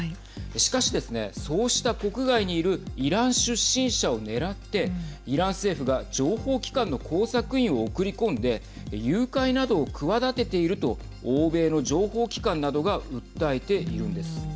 しかしですねそうした国外にいるイラン出身者を狙ってイラン政府が情報機関の工作員を送り込んで誘拐などを企てていると欧米の情報機関などが訴えているんです。